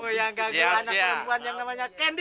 kamu yang gagal anak perempuan yang namanya gendy